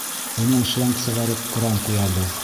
Унан шланг сығарып кран ҡуябыҙ.